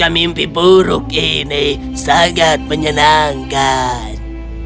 mimpi buruk ini sangat menyenangkan